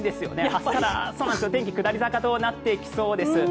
明日から天気下り坂となっていきそうです。